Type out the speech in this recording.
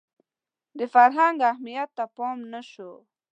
د فرهنګ اهمیت ته پام نه شو